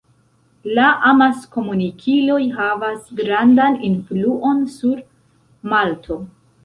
La amaskomunikiloj havas grandan influon sur Malto.